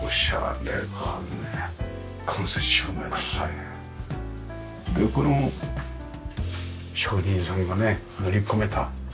でこれも職人さんがね塗り込めた。